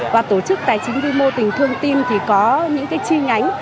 và tổ chức tài chính vi mô tình thương tim thì có những cái chi nhánh